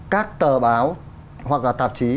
các tờ báo hoặc là tạp chí